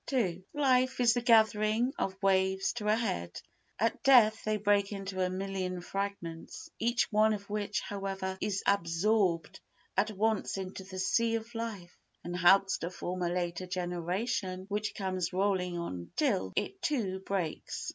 ii Life is the gathering of waves to a head, at death they break into a million fragments each one of which, however, is absorbed at once into the sea of life and helps to form a later generation which comes rolling on till it too breaks.